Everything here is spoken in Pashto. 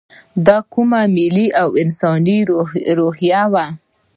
دا کومه ملي او انساني روحیه وه.